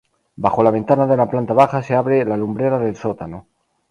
Bajo la ventana de la planta baja se abre la lumbrera del sótano.